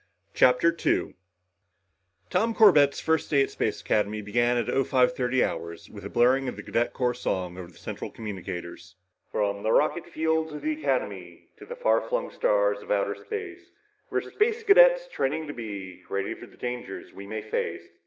CHAPTER 2 Tom Corbett's first day at Space Academy began at 0530 hours with the blaring of the Cadet Corps Song over the central communicators: "_From the rocket fields of the Academy To the far flung stars of outer space, We're Space Cadets training to be Ready for dangers we may face.